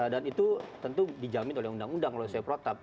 dan itu tentu dijamin oleh undang undang kalau selai protap